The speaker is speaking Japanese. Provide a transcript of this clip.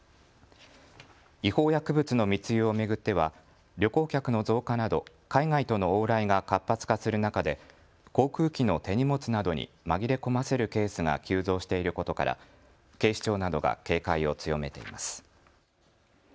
違法薬物の密輸を巡っては旅行客の増加など海外との往来が活発化する中で航空機の手荷物などに紛れ込ませるケースが急増していることから警視庁などが警戒を強めています。